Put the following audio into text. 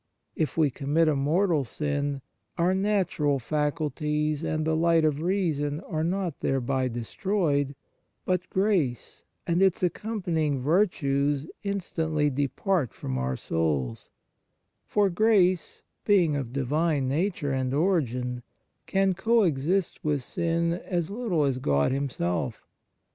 If we commit a mortal sin, our natural faculties and the light of reason are not thereby destroyed; but grace and its accompanying virtues instantly depart from our souls; for grace, being of Divine nature and origin, can co exist with sin as little as God Himself.